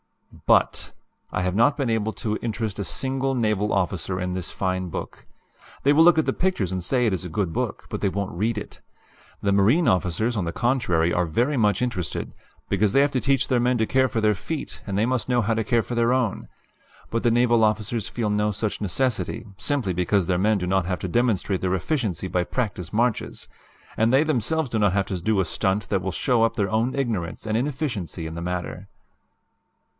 "B U T, I have not been able to interest a single naval officer in this fine book. They will look at the pictures and say it is a good book, but they won't read it. The marine officers, on the contrary, are very much interested, because they have to teach their men to care for their feet and they must know how to care for their own. But the naval officers feel no such necessity, simply because their men do not have to demonstrate their efficiency by practice marches, and they themselves do not have to do a stunt that will show up their own ignorance and inefficiency in the matter.